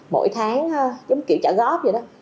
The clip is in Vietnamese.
mỗi tháng giống kiểu trả góp vậy đó